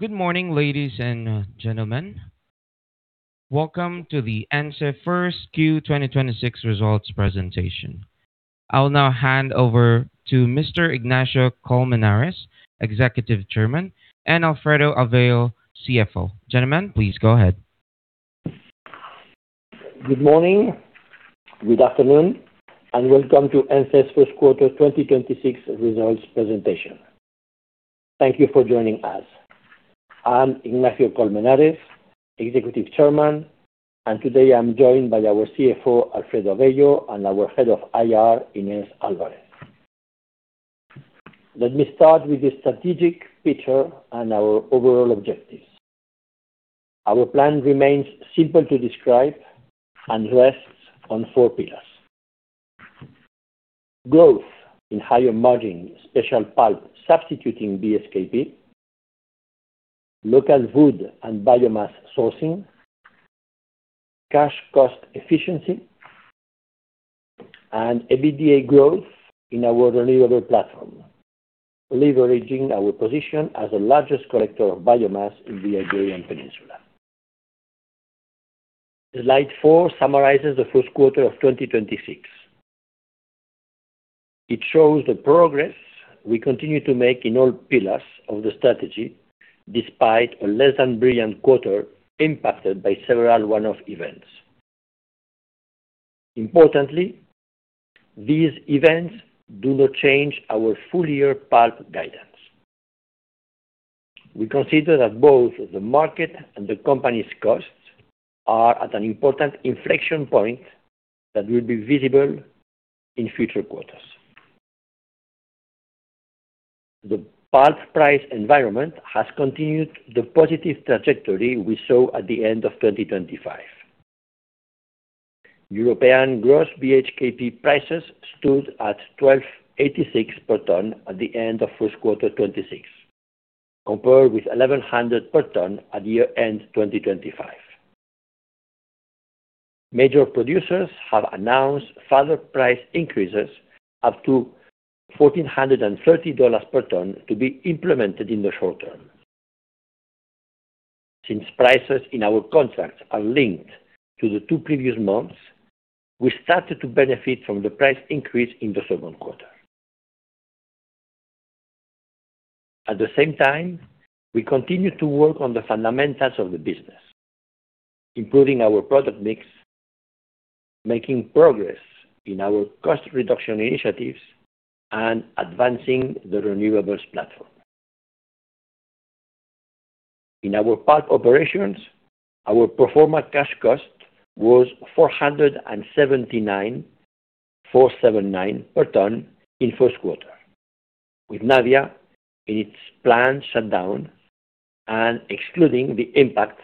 Good morning, ladies and gentlemen. Welcome to the ENCE Q1 2026 Results Presentation. I'll now hand over to Mr. Ignacio de Colmenares, Executive Chairman, and Alfredo Avello, CFO. Gentlemen, please go ahead. Good morning, good afternoon, and welcome to Ence's Q1 2026 Results Presentation. Thank you for joining us. I'm Ignacio de Colmenares, Executive Chairman. Today I'm joined by our CFO, Alfredo Avello, and our Head of IR, Inés Álvarez. Let me start with the strategic picture and our overall objectives. Our plan remains simple to describe and rests on 4 pillars. Growth in higher margin special pulp substituting BSKP, local wood and biomass sourcing, cash cost efficiency, and EBITDA growth in our renewable platform, leveraging our position as the largest collector of biomass in the Iberian Peninsula. Slide 4 summarizes the Q1 of 2026. It shows the progress we continue to make in all pillars of the strategy despite a less than brilliant quarter impacted by several one-off events. Importantly, these events do not change our full-year pulp guidance. We consider that both the market and the company's costs are at an important inflection point that will be visible in future quarters. The pulp price environment has continued the positive trajectory we saw at the end of 2025. European gross BHKP prices stood at 1,286 per ton at the end of Q1 2026, compared with 1,100 per ton at year-end 2025. Major producers have announced further price increases up to $1,430 per ton to be implemented in the short term. Since prices in our contracts are linked to the two previous months, we started to benefit from the price increase in the Q2. At the same time, we continue to work on the fundamentals of the business, improving our product mix, making progress in our cost reduction initiatives, and advancing the renewables platform. In our pulp operations, our pro forma cash cost was 479 per ton in Q1, with Navia in its planned shutdown and excluding the impact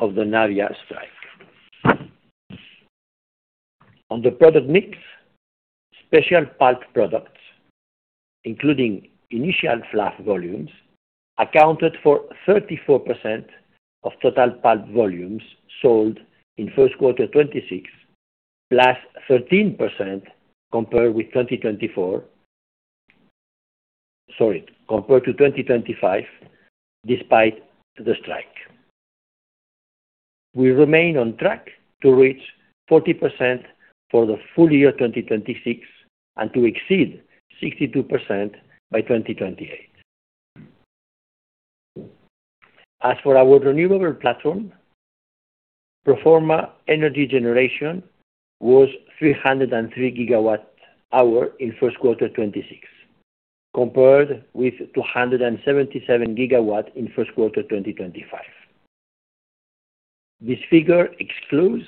of the Navia strike. On the product mix, special pulp products, including initial Fluff volumes, accounted for 34% of total pulp volumes sold in Q1 2026, +13% compared with 2024. Sorry, compared to 2025, despite the strike. We remain on track to reach 40% for the full year 2026 and to exceed 62% by 2028. As for our renewable platform, pro forma energy generation was 303 GWh in Q1 2026, compared with 277 GW in Q1 2025. This figure excludes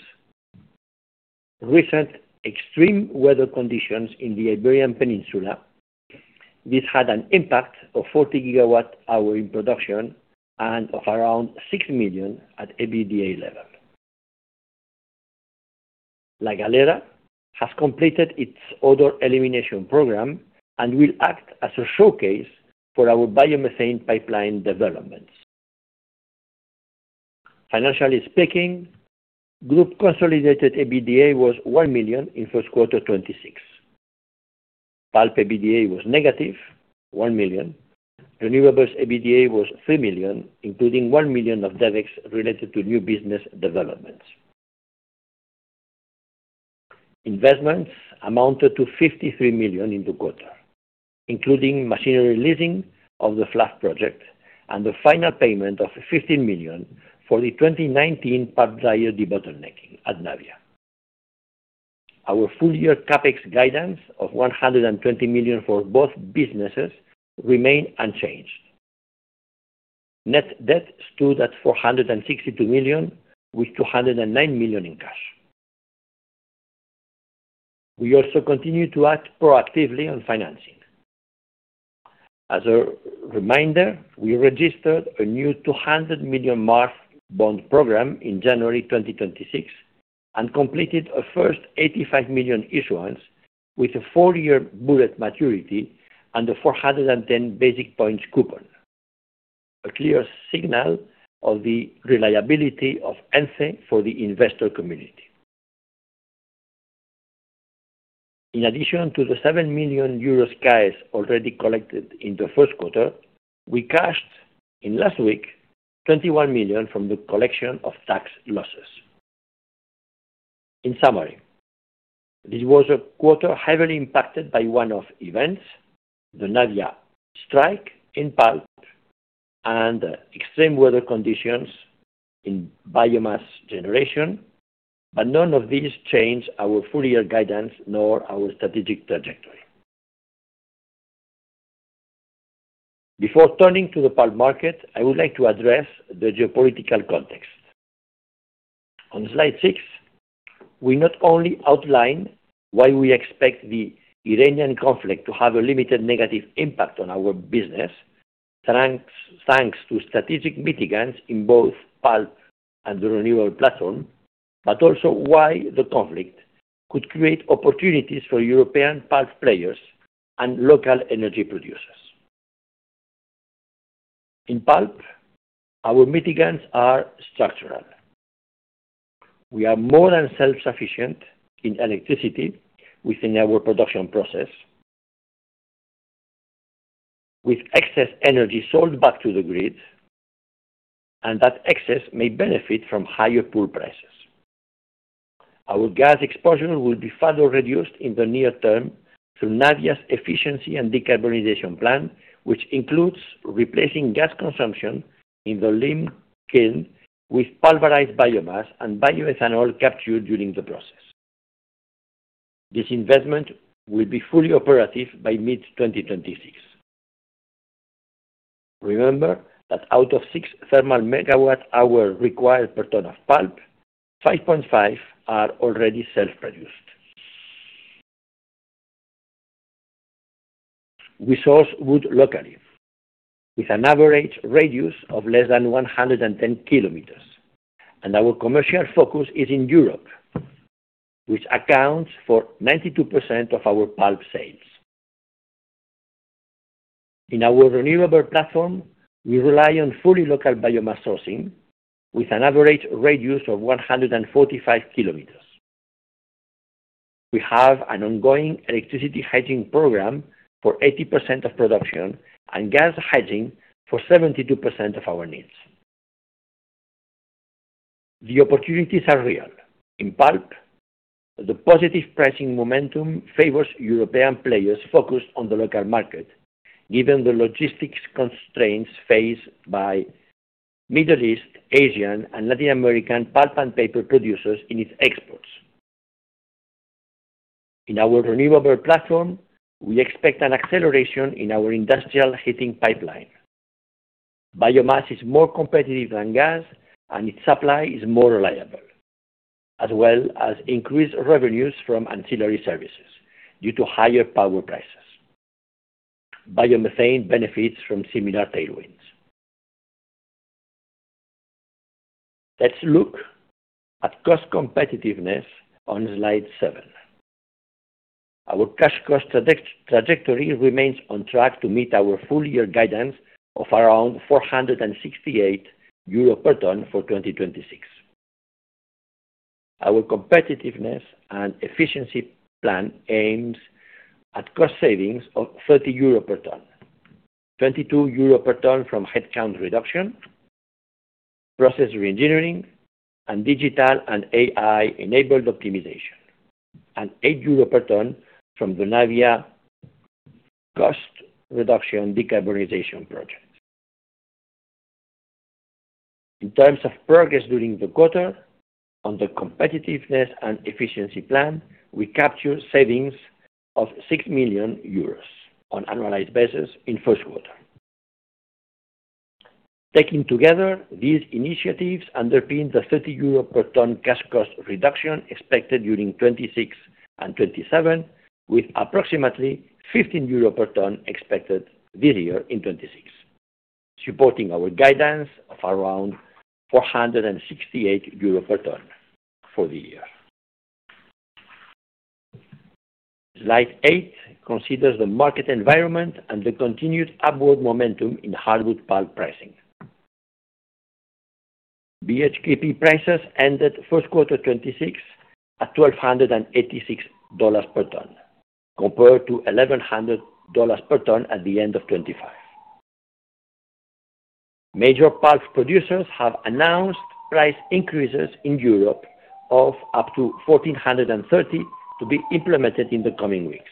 recent extreme weather conditions in the Iberian Peninsula. This had an impact of 40 GWh in production and of around 6 million at EBITDA level. La Galera has completed its odor elimination program and will act as a showcase for our biomethane pipeline developments. Financially speaking, group consolidated EBITDA was 1 million in Q1 2026. Pulp EBITDA was negative 1 million. Renewables EBITDA was 3 million, including 1 million of CapEx related to new business developments. Investments amounted to 53 million in the quarter, including machinery leasing of the Fluff project and the final payment of 15 million for the 2019 pulp dryer debottlenecking at Navia. Our full-year CapEx guidance of 120 million for both businesses remain unchanged. Net debt stood at 462 million, with 209 million in cash. We also continue to act proactively on financing. As a reminder, we registered a new 200 million MARF bond program in January 2026 and completed a first 85 million issuance with a 4-year bullet maturity and a 410 basis points coupon, a clear signal of the reliability of Ence for the investor community. In addition to the 7 million euro CAEs already collected in the Q1, we cashed in last week 21 million from the collection of tax losses. In summary, this was a quarter heavily impacted by one-off events, the Navia strike in pulp and extreme weather conditions in biomass generation, but none of these change our full year guidance nor our strategic trajectory. Before turning to the pulp market, I would like to address the geopolitical context. On slide 6, we not only outline why we expect the Iranian conflict to have a limited negative impact on our business, thanks to strategic mitigants in both pulp and the renewable platform, but also why the conflict could create opportunities for European pulp players and local energy producers. In pulp, our mitigants are structural. We are more than self-sufficient in electricity within our production process, with excess energy sold back to the grid. That excess may benefit from higher pool prices. Our gas exposure will be further reduced in the near term through Navia's efficiency and decarbonization plan, which includes replacing gas consumption in the lime kiln with pulverized biomass and biomethanol captured during the process. This investment will be fully operative by mid 2026. Remember that out of 6 thermal MWh required per ton of pulp, 5.5 are already self-produced. We source wood locally with an average radius of less than 110 km, and our commercial focus is in Europe, which accounts for 92% of our pulp sales. In our renewable platform, we rely on fully local biomass sourcing with an average radius of 145 km. We have an ongoing electricity hedging program for 80% of production and gas hedging for 72% of our needs. The opportunities are real. In pulp, the positive pricing momentum favors European players focused on the local market, given the logistics constraints faced by Middle East, Asian, and Latin American pulp and paper producers in its exports. In our renewable platform, we expect an acceleration in our industrial heating pipeline. Biomass is more competitive than gas, and its supply is more reliable, as well as increased revenues from ancillary services due to higher power prices. Biomethane benefits from similar tailwinds. Look at cost competitiveness on slide 7. Our cash cost trajectory remains on track to meet our full year guidance of around 468 euro per ton for 2026. Our competitiveness and efficiency plan aims at cost savings of 30 euro per ton, 22 euro per ton from headcount reduction, process reengineering, and digital and AI-enabled optimization, and 8 euro per ton from the Navia cost reduction decarbonization project. In terms of progress during the quarter, on the competitiveness and efficiency plan, we captured savings of 6 million euros on annualized basis in Q1. Taking together these initiatives underpin the 30 euro per ton cash cost reduction expected during 2026 and 2027, with approximately 15 euro per ton expected this year in 2026, supporting our guidance of around 468 euro per ton for the year. Slide 8 considers the market environment and the continued upward momentum in hardwood pulp pricing. BHKP prices ended Q1 2026 at $1,286 per ton, compared to $1,100 per ton at the end of 2025. Major pulp producers have announced price increases in Europe of up to $1,430 to be implemented in the coming weeks.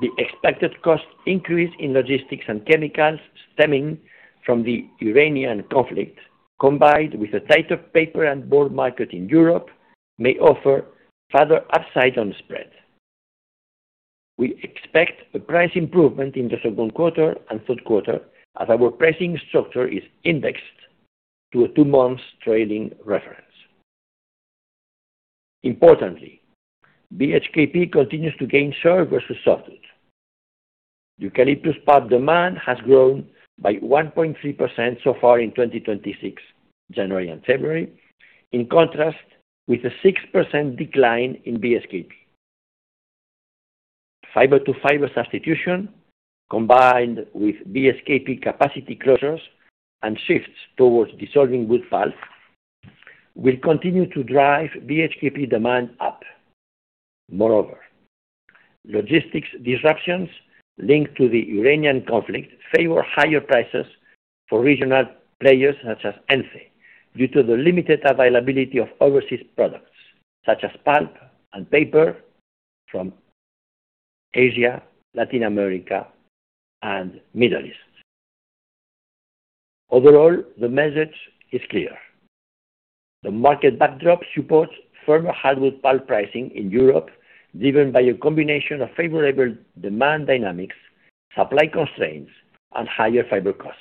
The expected cost increase in logistics and chemicals stemming from the Iranian conflict, combined with a tighter paper and board market in Europe, may offer further upside on spread. We expect a price improvement in the Q2 and Q3 as our pricing structure is indexed to a two-month trailing reference. Importantly, BHKP continues to gain share versus softwood. Eucalyptus pulp demand has grown by 1.3% so far in 2026, January and February, in contrast with a 6% decline in BHKP. Fiber-to-fiber substitution combined with BSKP capacity closures and shifts towards dissolving wood pulp will continue to drive BHKP demand up. Moreover, logistics disruptions linked to the Iranian conflict favor higher prices for regional players such as ENCE due to the limited availability of overseas products, such as pulp and paper from Asia, Latin America and Middle East. Overall, the message is clear. The market backdrop supports firmer hardwood pulp pricing in Europe, driven by a combination of favorable demand dynamics, supply constraints and higher fiber costs.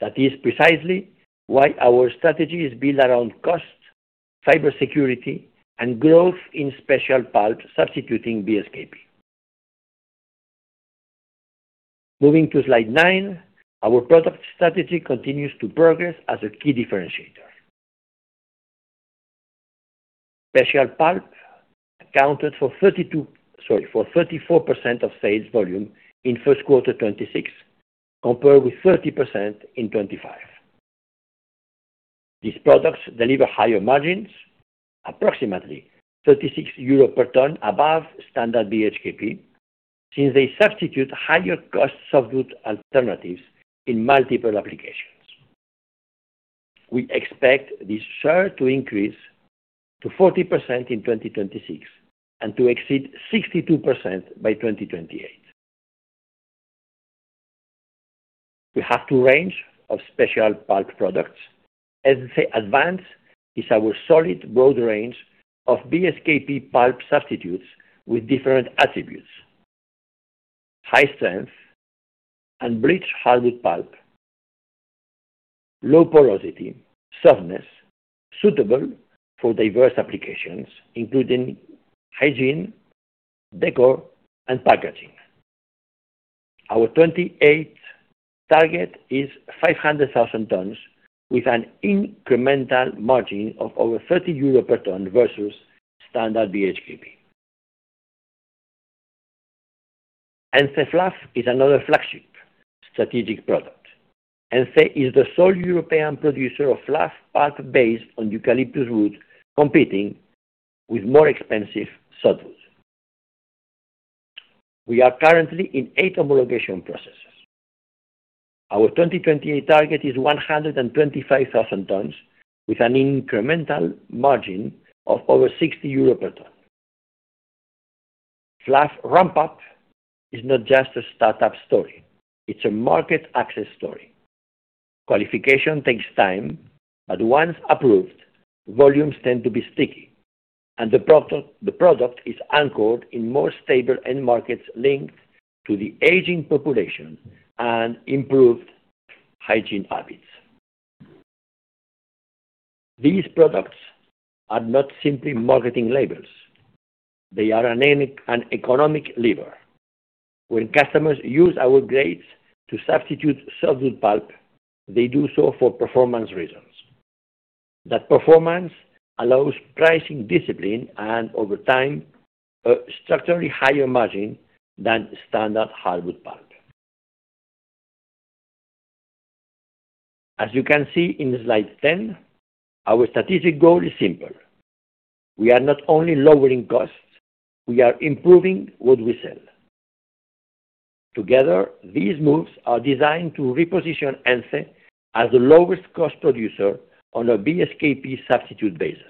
That is precisely why our strategy is built around cost, fiber security and growth in special pulp substituting BSKP. Moving to slide 9, our product strategy continues to progress as a key differentiator. Special pulp accounted for 32, sorry, for 34% of sales volume in Q1 2026, compared with 30% in 2025. These products deliver higher margins, approximately 36 euro per ton above standard BHKP, since they substitute higher cost softwood alternatives in multiple applications. We expect this share to increase to 40% in 2026 and to exceed 62% by 2028. We have two range of special pulp products. ENCE Advanced is our solid broad range of BSKP pulp substitutes with different attributes. High strength and bleached hardwood pulp, low porosity, softness, suitable for diverse applications, including hygiene, decor and packaging. Our 2028 target is 500,000 tons with an incremental margin of over 30 euro per ton versus standard BHKP. ENCE Fluff is another flagship strategic product. ENCE is the sole European producer of Fluff pulp based on eucalyptus wood, competing with more expensive softwoods. We are currently in 8 homologation processes. Our 2028 target is 125,000 tons with an incremental margin of over 60 euro per ton. Fluff ramp-up is not just a start-up story, it’s a market access story. Qualification takes time, but once approved, volumes tend to be sticky and the product is anchored in more stable end markets linked to the aging population and improved hygiene habits. These products are not simply marketing labels. They are an economic lever. When customers use our grades to substitute softwood pulp, they do so for performance reasons. That performance allows pricing discipline and over time, a structurally higher margin than standard hardwood pulp. As you can see in slide 10, our strategic goal is simple. We are not only lowering costs, we are improving what we sell. Together, these moves are designed to reposition ENCE as the lowest cost producer on a BSKP substitute basis.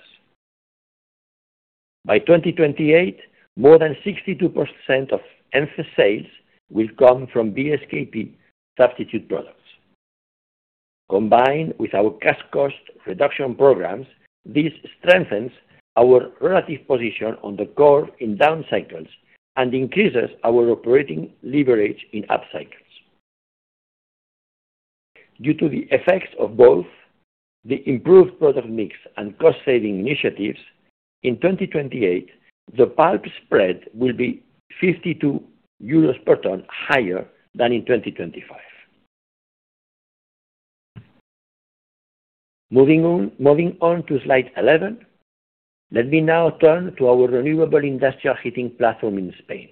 By 2028, more than 62% of ENCE sales will come from BSKP substitute products. Combined with our cash cost reduction programs, this strengthens our relative position on the core in down cycles and increases our operating leverage in up cycles. Due to the effects of both the improved product mix and cost-saving initiatives, in 2028, the pulp spread will be 52 euros per ton higher than in 2025. Moving on to slide 11, let me now turn to our renewable industrial heating platform in Spain.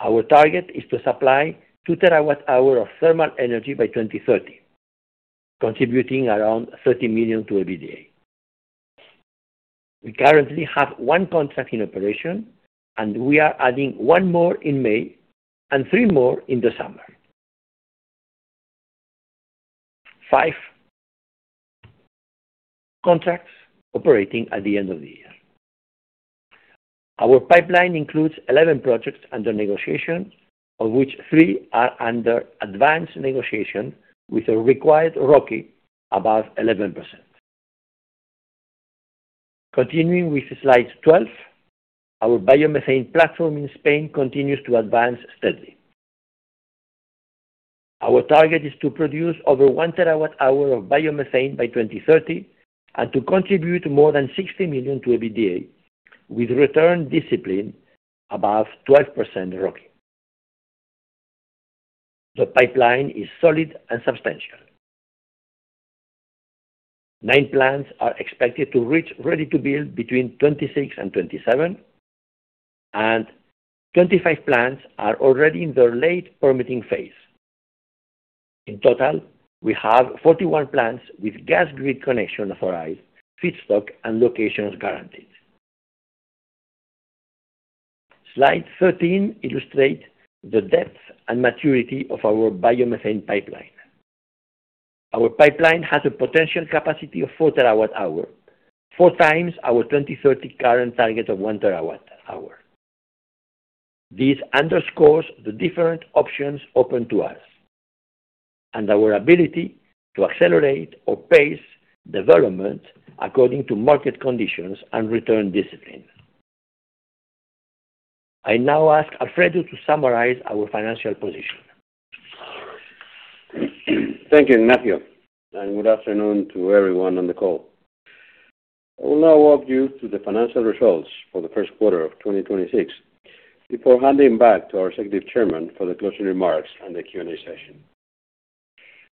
Our target is to supply 2 TWh of thermal energy by 2030, contributing around 30 million to EBITDA. We currently have one contract in operation, we are adding one more in May and three more in the summer. Five contracts operating at the end of the year. Our pipeline includes 11 projects under negotiation, of which three are under advanced negotiation with a required ROCE above 11%. Continuing with slide 12, our biomethane platform in Spain continues to advance steadily. Our target is to produce over 1 TWh of biomethane by 2030 and to contribute more than 60 million to EBITDA, with return discipline above 12% ROCE. The pipeline is solid and substantial. 9 plants are expected to reach ready-to-build between 2026 and 2027. 25 plants are already in their late permitting phase. In total, we have 41 plants with gas grid connection authorized, feedstock, and locations guaranteed. Slide 13 illustrates the depth and maturity of our biomethane pipeline. Our pipeline has a potential capacity of 4 TWh, 4x our 2030 current target of 1 TWh. This underscores the different options open to us and our ability to accelerate or pace development according to market conditions and return discipline. I now ask Alfredo to summarize our financial position. Thank you, Ignacio, and good afternoon to everyone on the call. I will now walk you through the financial results for the Q1 of 2026 before handing back to our Executive Chairman for the closing remarks and the Q&A session.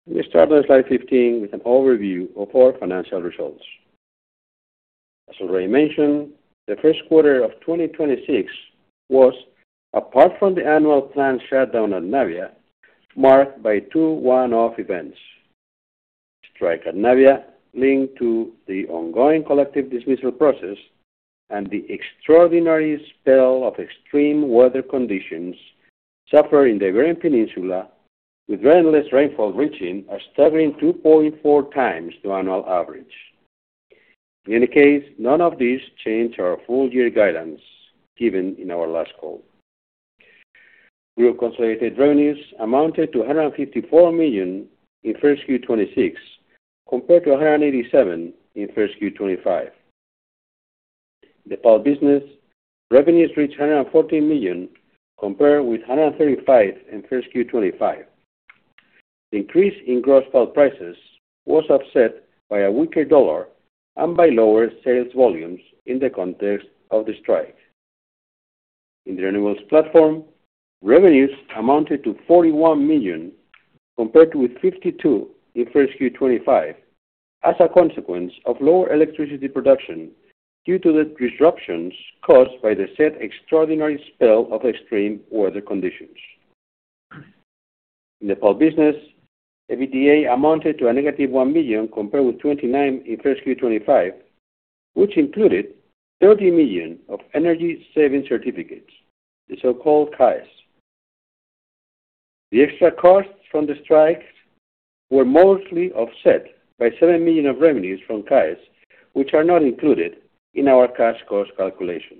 Let me start on slide 15 with an overview of our financial results. As already mentioned, the Q1 of 2026 was, apart from the annual planned shutdown at Navia, marked by two one-off events, Strike at Navia, linked to the ongoing collective dismissal process, and the extraordinary spell of extreme weather conditions suffered in the Iberian Peninsula, with rainless rainfall reaching a staggering 2.4x the annual average. In any case, none of this changed our full year guidance given in our last call. Group consolidated revenues amounted to 154 million in Q1 2026, compared to 187 million in Q1 2025. The pulp business revenues reached 114 million, compared with 135 million in Q1 2025. The increase in gross pulp prices was offset by a weaker dollar and by lower sales volumes in the context of the strike. In the renewables platform, revenues amounted to 41 million, compared with 52 million in Q1 2025, as a consequence of lower electricity production due to the disruptions caused by the said extraordinary spell of extreme weather conditions. In the pulp business, EBITDA amounted to a negative 1 million, compared with 29 million in Q1 2025, which included 30 million of energy saving certificates, the so-called CAEs. The extra costs from the strikes were mostly offset by 7 million of revenues from CAEs, which are not included in our cash cost calculation.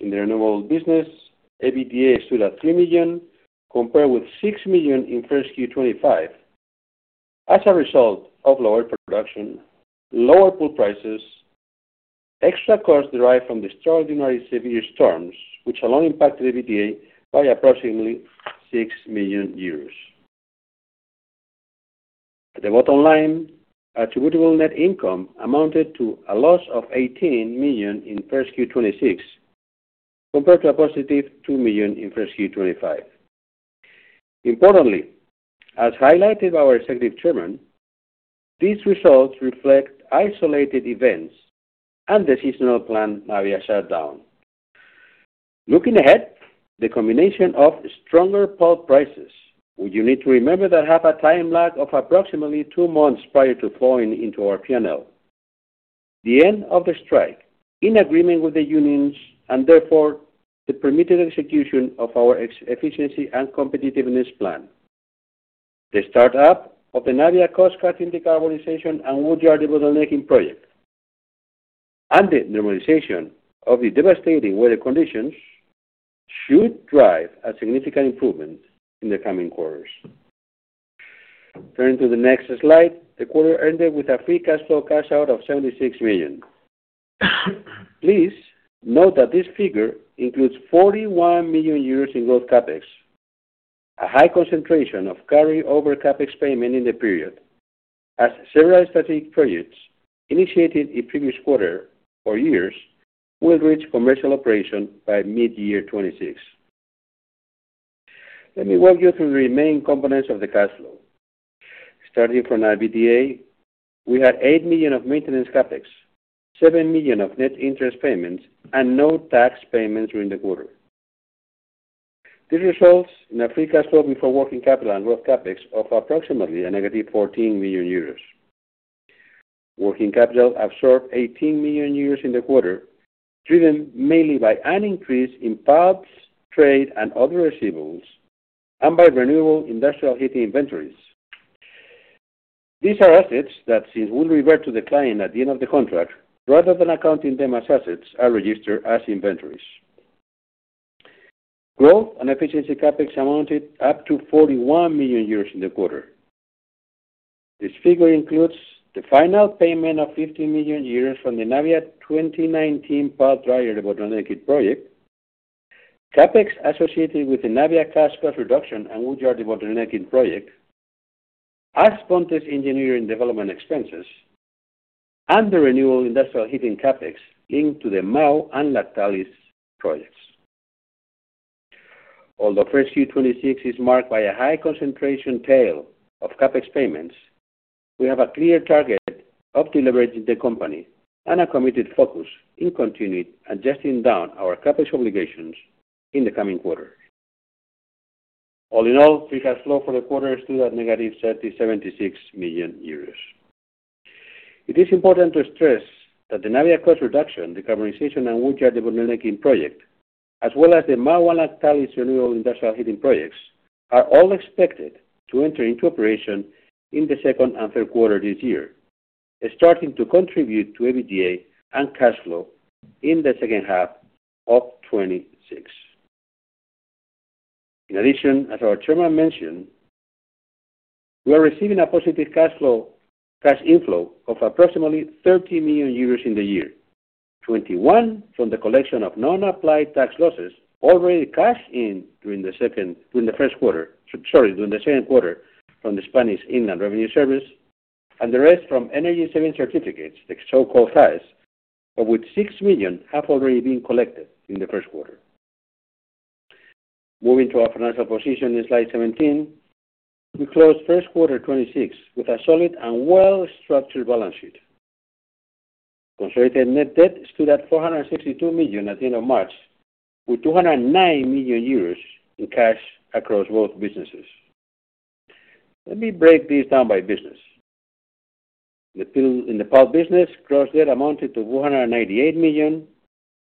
In the renewable business, EBITDA stood at 3 million, compared with 6 million in Q1 2025, as a result of lower production, lower pulp prices, extra costs derived from the extraordinary severe storms, which alone impacted EBITDA by approximately EUR 6 million. At the bottom line, attributable net income amounted to a loss of 18 million in Q1 2026, compared to a positive 2 million in Q1 2025. Importantly, as highlighted by our executive chairman, these results reflect isolated events and the seasonal plant Navia shutdown. Looking ahead, the combination of stronger pulp prices, which you need to remember that have a time lag of approximately two months prior to flowing into our P&L. The end of the strike, in agreement with the unions, and therefore the permitted execution of our efficiency and competitiveness plan. The start up of the Navia cost-cutting decarbonization and woodyard debottlenecking project. The normalization of the devastating weather conditions should drive a significant improvement in the coming quarters. Turning to the next slide, the quarter ended with a free cash flow cash out of 76 million. Please note that this figure includes 41 million euros in growth CapEx, a high concentration of carryover CapEx payment in the period, as several strategic projects initiated in previous quarter or years will reach commercial operation by mid-year 2026. Let me walk you through the remaining components of the cash flow. Starting from our EBITDA, we had 8 million of maintenance CapEx, 7 million of net interest payments, and no tax payments during the quarter. This results in a free cash flow before working capital and growth CapEx of approximately a negative 14 million euros. Working capital absorbed 18 million euros in the quarter, driven mainly by an increase in pulps, trade, and other receivables, and by renewable industrial heating inventories. These are assets that, since we'll revert to the client at the end of the contract, rather than accounting them as assets, are registered as inventories. Growth and efficiency CapEx amounted up to 41 million euros in the quarter. This figure includes the final payment of 15 million euros from the Navia 2019 pulp dryer debottlenecking project. CapEx associated with the Navia cost-reduction and woodyard debottlenecking project, as context engineering development expenses, and the renewable industrial heating CapEx linked to the Mahou and Lactalis projects. Although Q1 2026 is marked by a high concentration tail of CapEx payments, we have a clear target of deleveraging the company and a committed focus in continued adjusting down our CapEx obligations in the coming quarter. All in all, free cash flow for the quarter stood at negative 37.6 million euros. In addition, as our chairman mentioned, we are receiving a positive cash inflow of approximately 30 million euros in the year 2021 from the collection of non-applied tax losses already cashed in during the Q1. Sorry, during the Q2 from the Spanish Inland Revenue Service, and the rest from energy saving certificates, the so-called CAEs, of which 6 million have already been collected in the Q1. Moving to our financial position in slide 17, we closed Q1 2026 with a solid and well-structured balance sheet. Consolidated net debt stood at 462 million at the end of March, with 209 million euros in cash across both businesses. Let me break this down by business. In the pulp business, gross debt amounted to 188 million,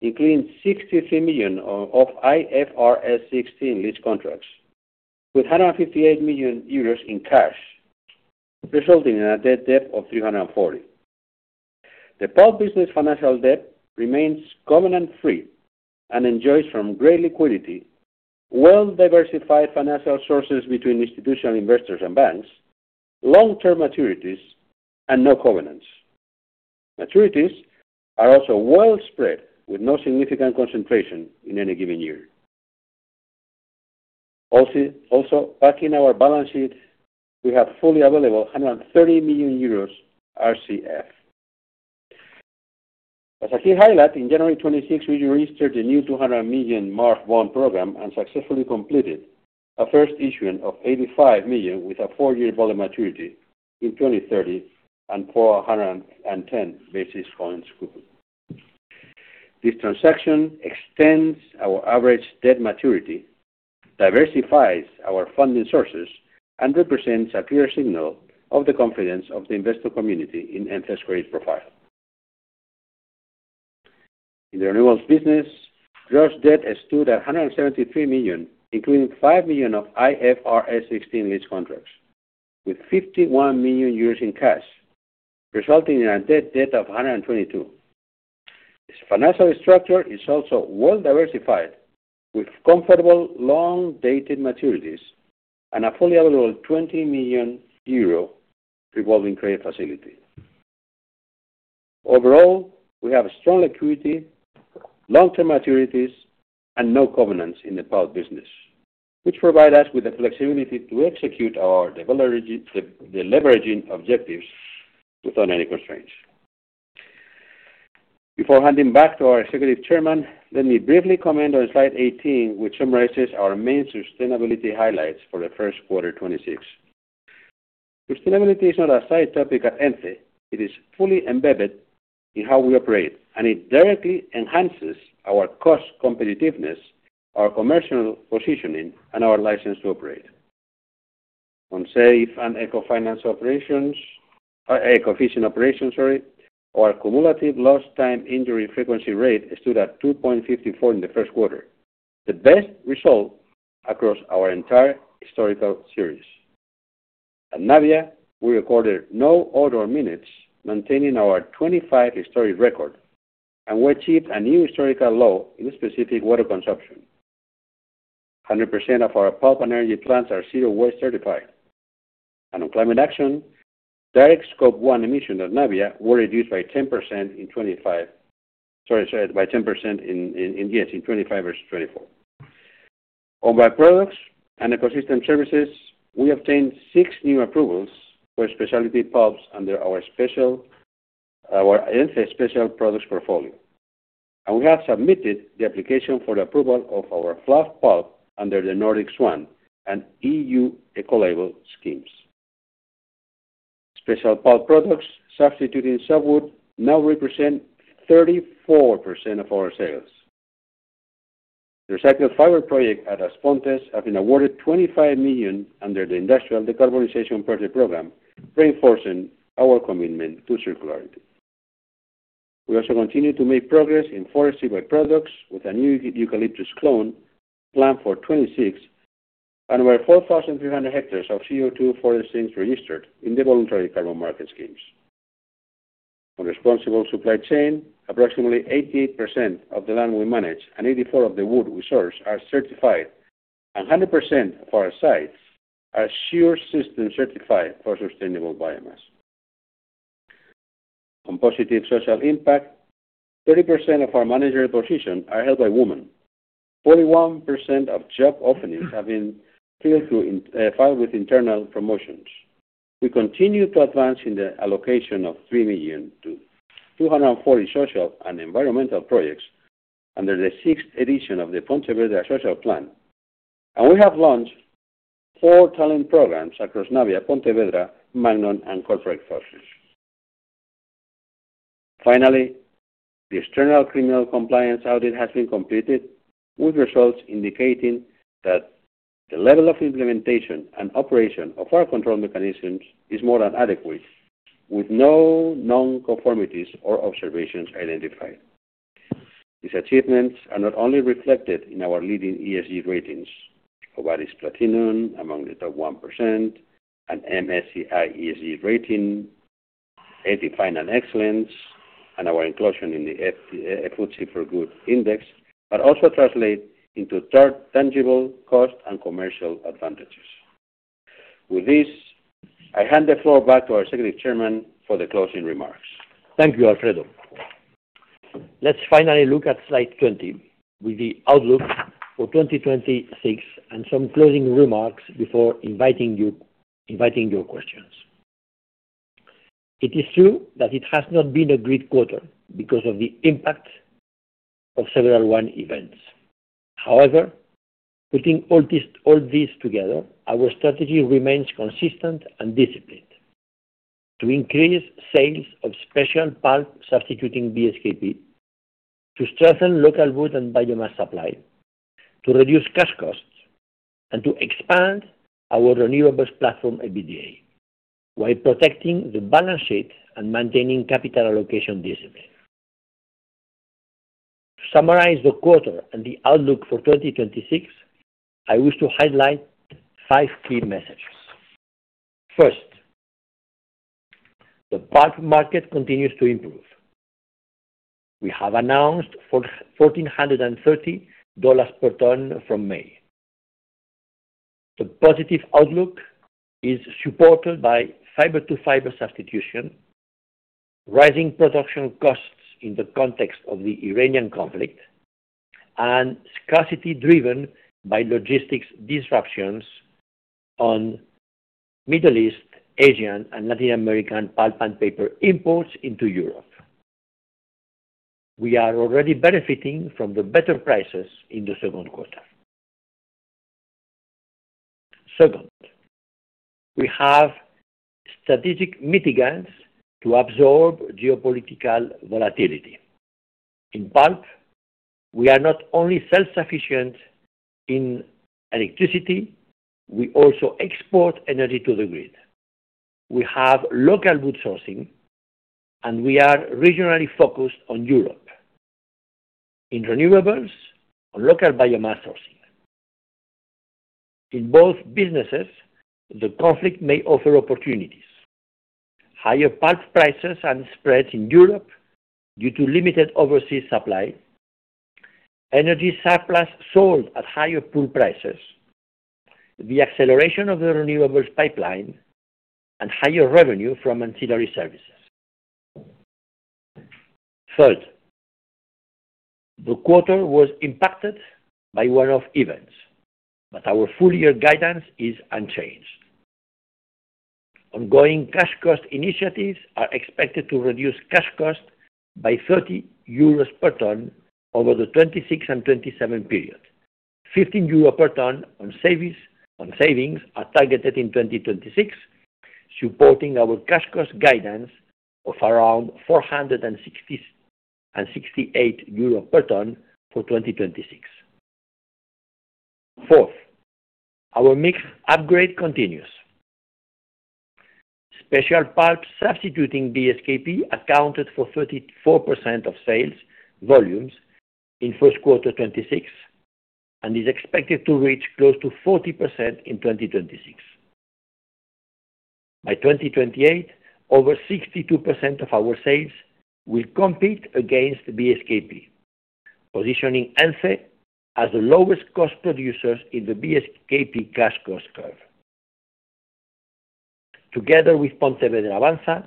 including 63 million of IFRS 16 lease contracts, with 158 million euros in cash, resulting in a net debt of 340. The pulp business financial debt remains covenant-free and enjoys from great liquidity, well-diversified financial sources between institutional investors and banks, long-term maturities, and no covenants. Maturities are also well-spread, with no significant concentration in any given year. Also, backing our balance sheet, we have fully available 130 million euros RCF. As a key highlight, in January 26, we registered a new 200 million MARF program and successfully completed a first issuance of 85 million with a 4-year bullet maturity in 2030 and 410 basis points coupon. This transaction extends our average debt maturity, diversifies our funding sources, and represents a clear signal of the confidence of the investor community in ENCE's credit profile. In the renewables business, gross debt stood at 173 million, including 5 million of IFRS 16 lease contracts, with 51 million euros in cash, resulting in a net debt of 122 million. This financial structure is also well-diversified, with comfortable long-dated maturities and a fully available 20 million euro revolving credit facility. Overall, we have strong liquidity, long-term maturities, and no covenants in the pulp business, which provide us with the flexibility to execute our deleveraging, de-deleveraging objectives without any constraints. Before handing back to our executive chairman, let me briefly comment on slide 18, which summarizes our main sustainability highlights for the Q1 2026. Sustainability is not a side topic at ENCE. It is fully embedded in how we operate, and it directly enhances our cost competitiveness, our commercial positioning, and our license to operate. On safe and eco-efficient operations, sorry, our cumulative lost time injury frequency rate stood at 2.54 in the Q1, the best result across our entire historical series. At Navia, we recorded no odor minutes, maintaining our 25 historic record, and we achieved a new historical low in specific water consumption. 100% of our pulp and energy plants are zero waste certified. On climate action, direct Scope 1 emission at Navia were reduced by 10% in 2025. By 10% in, yes, in 2025 versus 2024. On byproducts and ecosystem services, we obtained 6 new approvals for specialty pulps under our ENCE Advanced products portfolio. We have submitted the application for the approval of our fluff pulp under the Nordic Swan and EU Ecolabel schemes. Special pulp products substituting softwood now represent 34% of our sales. The recycled fiber project at As Pontes have been awarded 25 million under the Industrial Decarbonization Project program, reinforcing our commitment to circularity. We also continue to make progress in forest byproducts with a new eucalyptus clone planned for 2026 and over 4,300 hectares of CO2 for the sinks registered in the voluntary carbon market schemes. On responsible supply chain, approximately 88% of the land we manage and 84% of the wood we source are certified, and 100% of our sites are SBP System certified for sustainable biomass. On positive social impact, 30% of our managerial position are held by women. 41% of job openings have been filled through internal promotions. We continue to advance in the allocation of 3 million to 240 social and environmental projects under the sixth edition of the Pontevedra Social Plan. We have launched four talent programs across Navia, Pontevedra, Magnon, and corporate offices. Finally, the external criminal compliance audit has been completed, with results indicating that the level of implementation and operation of our control mechanisms is more than adequate, with no non-conformities or observations identified. These achievements are not only reflected in our leading ESG ratings, EcoVadis Platinum among the top 1%, MSCI ESG Rating, EthiFinance Excellence, and our inclusion in the FTSE4Good index, but also translate into further tangible cost and commercial advantages. With this, I hand the floor back to our executive chairman for the closing remarks. Thank you, Alfredo. Let's finally look at slide 20 with the outlook for 2026 and some closing remarks before inviting your questions. It is true that it has not been a great quarter because of the impact of several one events. Putting all this together, our strategy remains consistent and disciplined. To increase sales of special pulp substituting BSKP, to strengthen local wood and biomass supply, to reduce cash costs, and to expand our renewables platform EBITDA, while protecting the balance sheet and maintaining capital allocation discipline. To summarize the quarter and the outlook for 2026, I wish to highlight five key messages. First, the pulp market continues to improve. We have announced $1,430 per ton from May. The positive outlook is supported by fiber-to-fiber substitution, rising production costs in the context of the Iranian conflict, and scarcity driven by logistics disruptions on Middle East, Asian, and Latin American pulp and paper imports into Europe. We are already benefiting from the better prices in the Q2. Second, we have strategic mitigants to absorb geopolitical volatility. In pulp, we are not only self-sufficient in electricity, we also export energy to the grid. We have local wood sourcing, and we are regionally focused on Europe. In renewables, on local biomass sourcing. In both businesses, the conflict may offer opportunities. Higher pulp prices and spreads in Europe due to limited overseas supply, energy surplus sold at higher pool prices, the acceleration of the renewables pipeline, and higher revenue from ancillary services. Third, the quarter was impacted by one-off events, but our full year guidance is unchanged. Ongoing cash cost initiatives are expected to reduce cash costs by 30 euros per ton over the 2026 and 2027 period. 15 euros per ton on savings are targeted in 2026, supporting our cash cost guidance of around 468 euros per ton for 2026. Fourth, our mix upgrade continues. Special pulp substituting BSKP accounted for 34% of sales volumes in Q1 2026 and is expected to reach close to 40% in 2026. By 2028, over 62% of our sales will compete against BSKP, positioning Ence as the lowest cost producers in the BSKP cash cost curve. Together with Pontevedra Avanza,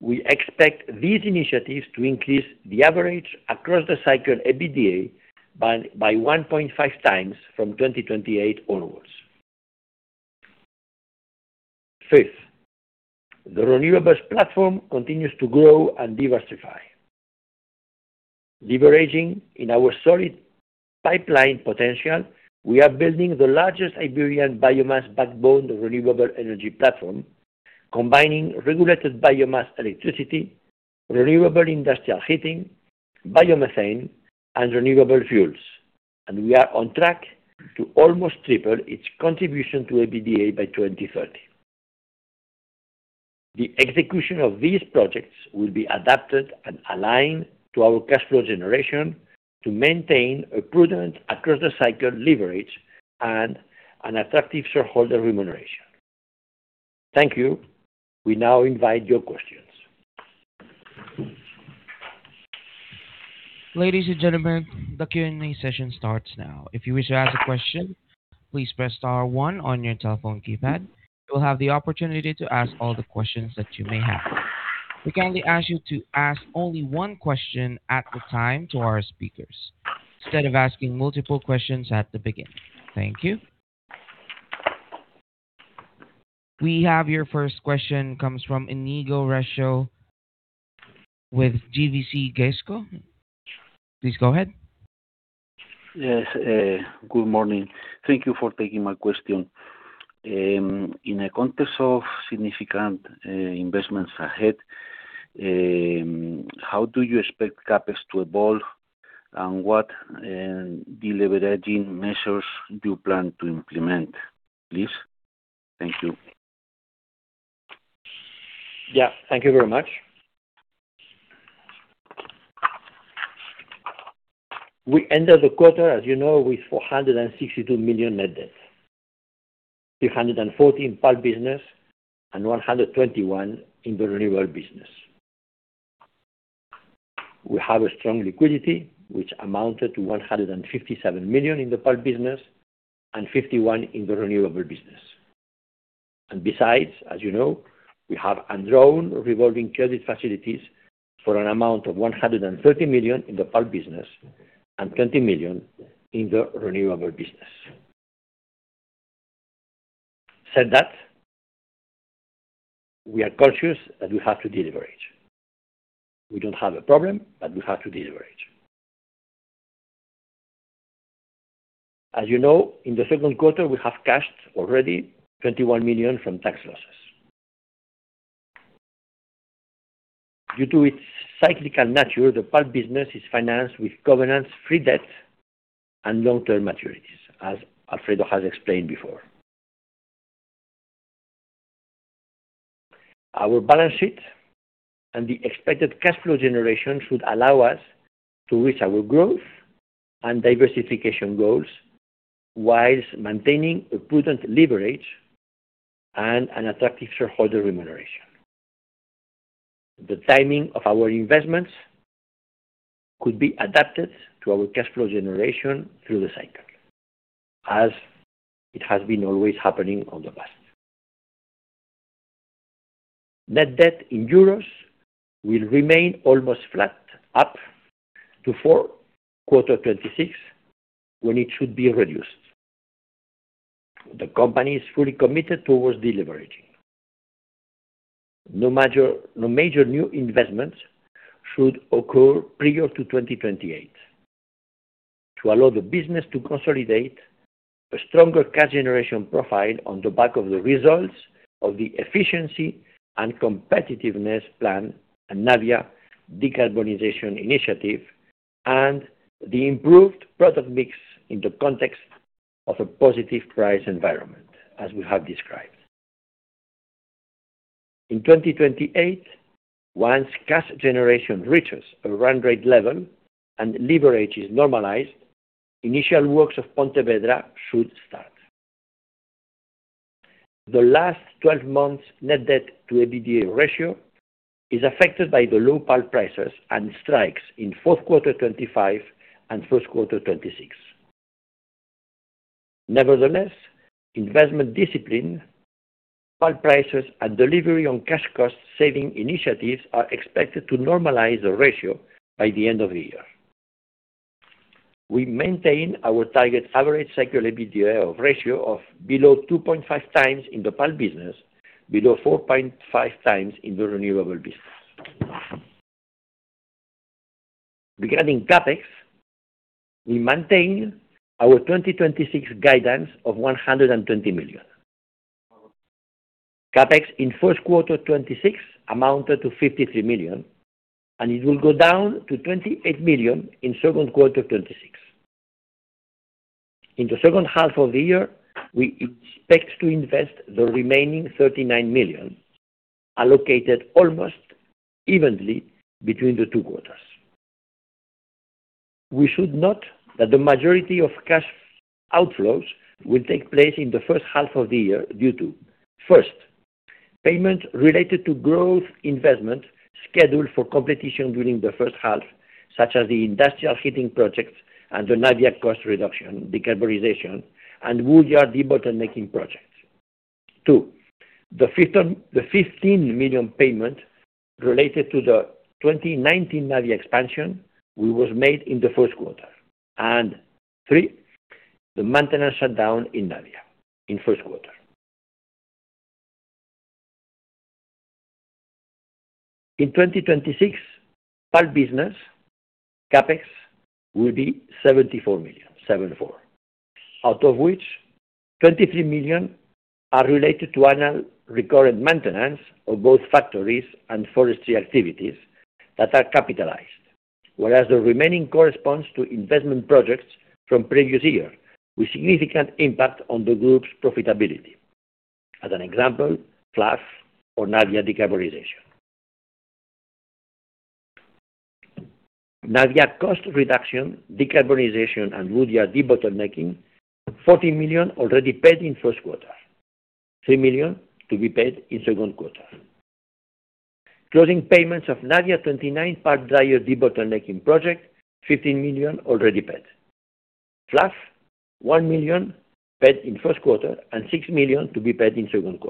we expect these initiatives to increase the average across the cycle EBITDA by 1.5x from 2028 onwards. Fifth, the renewables platform continues to grow and diversify. Leveraging in our solid pipeline potential, we are building the largest Iberian biomass backbone renewable energy platform, combining regulated biomass electricity, renewable industrial heating, biomethane, and renewable fuels. We are on track to almost triple its contribution to EBITDA by 2030. The execution of these projects will be adapted and aligned to our cash flow generation to maintain a prudent across-the-cycle leverage and an attractive shareholder remuneration. Thank you. We now invite your questions. Ladies and gentlemen, the Q&A session starts now. If you wish to ask a question, please press *1 on your telephone keypad. You will have the opportunity to ask all the questions that you may have. We kindly ask you to ask only one question at a time to our speakers, instead of asking multiple questions at the beginning. Thank you. We have your first question comes from Íñigo Recio Pascual with GVC Gaesco Valores. Please go ahead. Yes, good morning. Thank you for taking my question. In the context of significant investments ahead, how do you expect CapEx to evolve, and what deleveraging measures do you plan to implement, please? Thank you. Yeah, thank you very much. We ended the quarter, as you know, with 462 million net debt, 314 million pulp business, and 121 million in the renewable business. We have a strong liquidity, which amounted to 157 million in the pulp business and 51 million in the renewable business. Besides, as you know, we have undrawn revolving credit facilities for an amount of 130 million in the pulp business and 20 million in the renewable business. Said that, we are conscious that we have to deleverage. We don't have a problem, but we have to deleverage. As you know, in the Q2, we have cashed already 21 million from tax losses. Due to its cyclical nature, the pulp business is financed with governance-free debt and long-term maturities, as Alfredo has explained before. Our balance sheet and the expected cash flow generation should allow us to reach our growth and diversification goals whilst maintaining a prudent leverage and an attractive shareholder remuneration. The timing of our investments could be adapted to our cash flow generation through the cycle, as it has been always happening on the past. Net debt in EUR will remain almost flat up to Q4 2026 when it should be reduced. The company is fully committed towards deleveraging. No major new investments should occur prior to 2028 to allow the business to consolidate a stronger cash generation profile on the back of the results of the efficiency and competitiveness plan and Navia Decarbonization Initiative and the improved product mix in the context of a positive price environment, as we have described. In 2028, once cash generation reaches a run rate level and leverage is normalized, initial works of Pontevedra should start. The last 12 months net debt to EBITDA ratio is affected by the low pulp prices and strikes in Q4 25 and Q1 2026. Nevertheless, investment discipline, pulp prices, and delivery on cash cost saving initiatives are expected to normalize the ratio by the end of the year. We maintain our target average cycle EBITDA of ratio of below 2.5 times in the pulp business, below 4.5 times in the renewable business. Regarding CapEx, we maintain our 2026 guidance of 120 million. CapEx in Q1 2026 amounted to 53 million, and it will go down to 28 million in Q2 2026. In the second half of the year, we expect to invest the remaining 39 million allocated almost evenly between the two quarters. We should note that the majority of cash outflows will take place in the first half of the year due to, first, payment related to growth investment scheduled for completion during the first half, such as the industrial heating project and the Navia cost reduction, decarbonization, and woodyard debottlenecking projects. Two, the 15 million payment related to the 2019 Navia expansion which was made in the Q1. Three, the maintenance shutdown in Navia in Q2. In 2026, pulp business CapEx will be 74 million, out of which 23 million are related to annual recurrent maintenance of both factories and forestry activities that are capitalized. The remaining corresponds to investment projects from previous year with significant impact on the group's profitability. As an example, Fluff or Navia decarbonization. Navia cost reduction, decarbonization, and woodyard debottlenecking, 14 million already paid in Q1, 3 million to be paid in Q2. Closing payments of Navia 2019 pulp dryer debottlenecking project, 15 million already paid. Fluff, 1 million paid in Q1 and 6 million to be paid in Q2.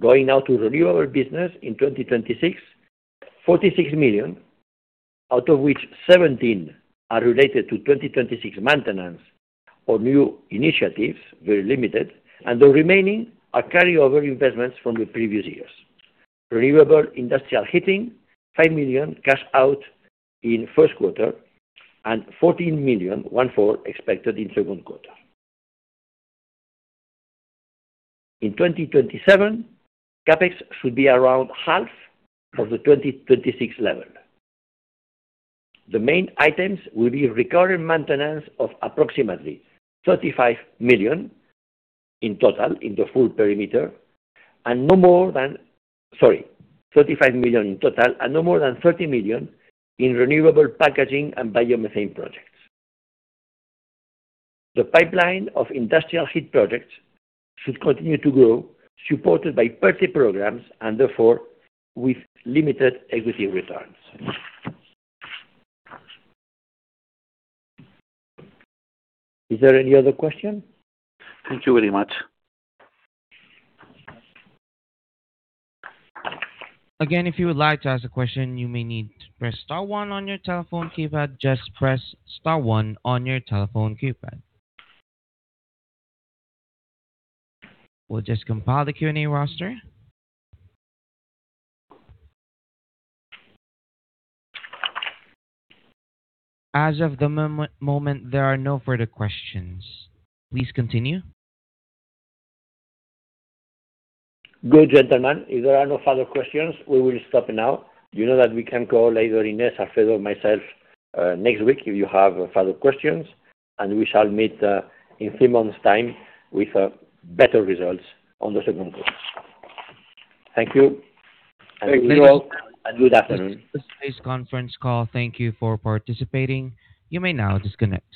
Going now to renewable business in 2026, 46 million, out of which 17 are related to 2026 maintenance or new initiatives, very limited, and the remaining are carryover investments from the previous years. Renewable industrial heating, 5 million cash out in Q1 and 14 million, one-fourth expected in Q2. In 2027, CapEx should be around half of the 2026 level. The main items will be recurring maintenance of approximately 35 million in total in the full perimeter, and no more than 30 million in renewable packaging and biomethane projects. The pipeline of industrial heat projects should continue to grow, supported by PERTE programs, and therefore, with limited equity returns. Is there any other question? Thank you very much. If you would like to ask a question, you may need to press *1 on your telephone keypad. Press *1 on your telephone keypad. We'll just compile the Q&A roster. As of the moment, there are no further questions. Please continue. Good, gentlemen. If there are no further questions, we will stop now. You know that we can call either Inés, Alfredo, or myself next week if you have further questions, and we shall meet in three months' time with better results on the Q2. Thank you. Good afternoon. This concludes conference call. Thank you for participating. You may now disconnect.